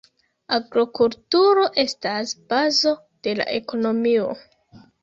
Agrokulturo estas bazo de la ekonomio.